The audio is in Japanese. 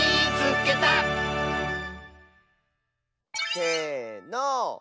せの。